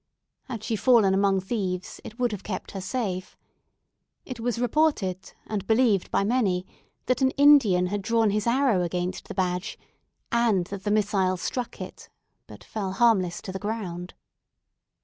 Had she fallen among thieves, it would have kept her safe. It was reported, and believed by many, that an Indian had drawn his arrow against the badge, and that the missile struck it, and fell harmless to the ground.